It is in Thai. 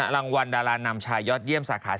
รางวัลดารานำชายยอดเยี่ยมสาขา